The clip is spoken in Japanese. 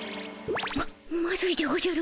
ままずいでおじゃる。